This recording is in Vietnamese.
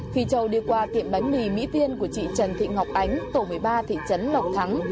khi châu đi qua tiệm bánh mì mỹ viên của chị trần thị ngọc ánh tổ một mươi ba thị trấn lộc thắng